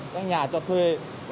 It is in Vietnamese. các nhà cho thuê